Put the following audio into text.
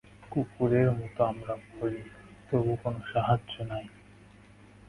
কুকুরের মত আমরা মরি, তবু কোন সাহায্য নাই।